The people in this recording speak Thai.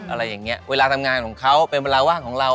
อะไรอย่างนี้เวลาทำงานของเขาเป็นเวลาว่างของเรา